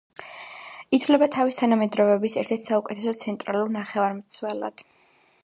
ითვლება თავის თანამედროვეობის ერთ-ერთ საუკეთესო ცენტრალურ ნახევარმცველად.